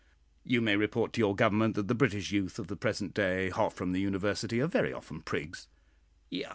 "You may report to your Government that the British youth of the present day, hot from the university, are very often prigs."